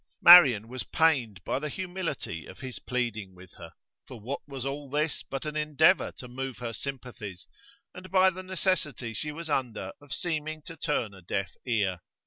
Marian was pained by the humility of his pleading with her for what was all this but an endeavour to move her sympathies? and by the necessity she was under of seeming to turn a deaf ear.